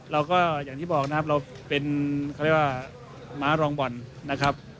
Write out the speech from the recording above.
แล้วก็อย่างที่บอกนะครับเราเป็นเค้าเรียกว่าหมารองบ่อนนะครับ